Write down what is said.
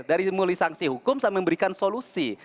dari mulai sanksi hukum sampai memberikan solusi